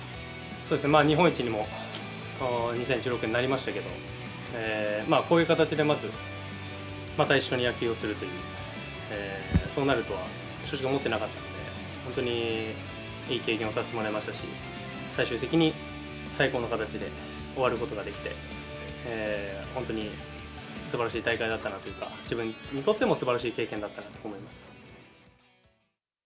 そうですね、日本一にも２０１６年、なりましたけど、こういう形でまず、また一緒に野球をするという、そうなるとは正直、思ってなかったので、本当にいい経験をさせてもらいましたし、最終的に最高の形で終わることができて、本当にすばらしい大会だったなというか、自分にとってもすばらしい経験だったかなと思います。